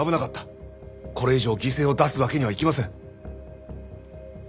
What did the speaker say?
これ以上犠牲を出すわけにはいきません。